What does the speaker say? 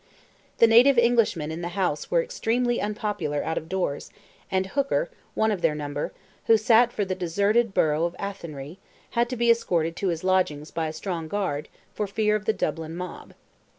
The native Englishmen in the House were extremely unpopular out of doors, and Hooker, one of their number, who sat for the deserted borough of Athenry, had to be escorted to his lodgings by a strong guard, for fear of the Dublin mob.